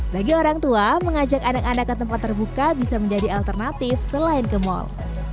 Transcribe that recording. bagi orang tua mengajak anak anak ke tempat terbuka bisa menjadi alternatif selain ke mal